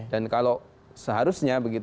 dan kalau seharusnya